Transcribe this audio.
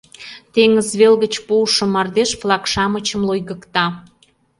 Теҥыз вел гыч пуышо мардеж флаг-шамычым лойгыкта.